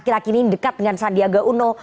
akhir akhir ini mendekatkan dengan sandiaga uno